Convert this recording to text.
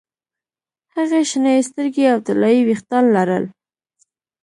هغې شنې سترګې او طلايي ویښتان لرل